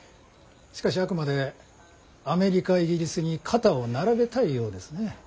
しかしあくまでアメリカイギリスに肩を並べたいようですね。